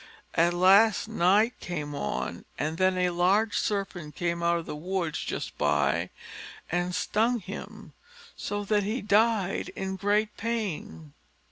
At last night came on, and then a large serpent came out of a wood just by, and stung him, so that he died in great pain.